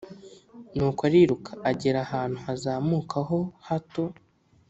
Nuko ariruka, agera ahantu hazamuka ho hato